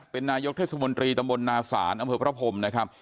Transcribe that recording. เป็นนายกเทศมนตรีตำบลนาศาลอำเภอพระพรมนะครับ